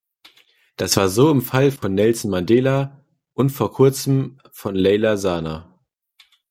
Das war so im Fall von Nelson Mandela und vor kurzem von Leyla Zana.